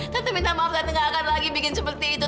tapi minta maaf tapi nggak akan lagi bikin seperti itu